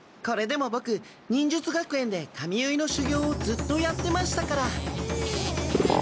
これでもボク忍術学園で髪結いの修行をずっとやってましたから！